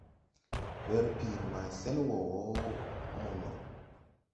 Werpiiri maa sen wɔɔ wɔɔ mo no.